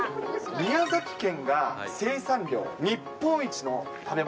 宮崎県が生産量日本一の食べ物。